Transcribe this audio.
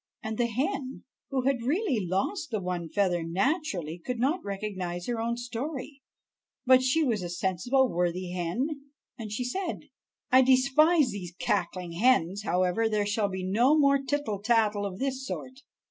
And the hen who had really lost the one feather naturally could not recognize her own story, but she was a sensible, worthy hen, and she said: "I despise these cackling hens; however, there shall be no more tittle tattle of this sort.